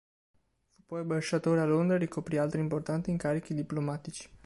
Fu poi ambasciatore a Londra e ricoprì altri importanti incarichi diplomatici.